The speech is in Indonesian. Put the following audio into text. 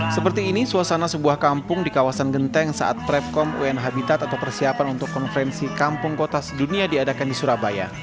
seperti ini suasana sebuah kampung di kawasan genteng saat prepkom un habitat atau persiapan untuk konferensi kampung kota sedunia diadakan di surabaya